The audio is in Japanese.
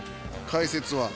解説は。